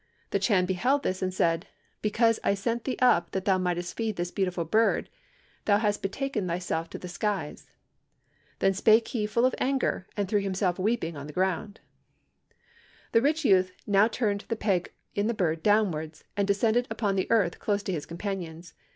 The Chan beheld this, and said, 'Because I sent thee up that thou mightest feed this beautiful bird, thou hast betaken thyself to the skies.' Thus spake he full of anger, and threw himself weeping on the ground. "The rich youth now turned the peg in the bird downwards, and descended upon the earth close to his companions.